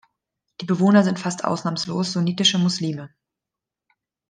Die Bewohner sind fast ausnahmslos sunnitische Muslime.